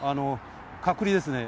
隔離ですね。